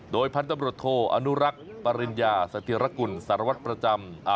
โดยพันธุ์ตำรวจโทอนุรักษ์ปริญญาสถิรกุลสารวัตรประจำ